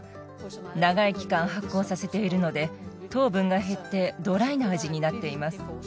長い期間発酵させているので糖分が減ってドライな味になっています。